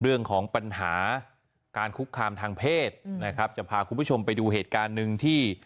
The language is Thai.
เรื่องของปัญหาการคุกคามทางเพศนะครับจะพาคุณผู้ชมไปดูเหตุการณ์หนึ่งที่